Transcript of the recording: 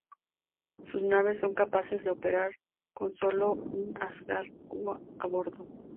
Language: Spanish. Sus naves son capaces de operar con solo un Asgard a bordo.